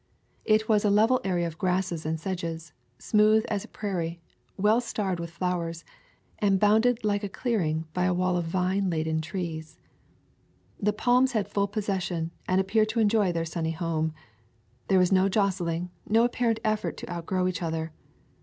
It was a level area of grasses and sedges, smooth as a prairie, well starred with flowers, and bounded like a clearing by a wall of vine laden trees. The palms had full possession and appeared to enjoy their sunny home. There was no jostling, no apparent effort to outgrow each other.